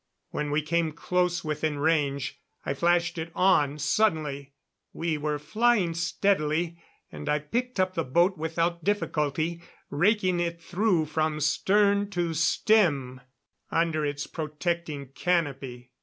When we came close within range I flashed it on suddenly. We were flying steadily, and I picked up the boat without difficulty, raking it through from stern to stem under its protecting canopy.